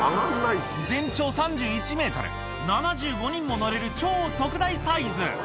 全長３１メートル、７５人も乗れる超特大サイズ。